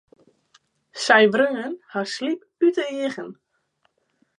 Sy wreau har de sliep út de eagen.